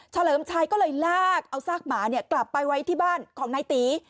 เลิมชัยก็เลยลากเอาซากหมากลับไปไว้ที่บ้านของนายตี